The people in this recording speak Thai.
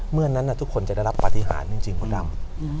เมื่อนั้นทุกคนจะได้รับปฏิหารจริงมดดำ